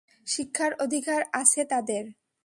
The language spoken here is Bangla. শিক্ষার অধিকার আছে তাদের।